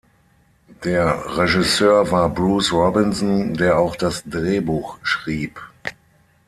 Der Regisseur war Bruce Robinson, der auch das Drehbuch schrieb.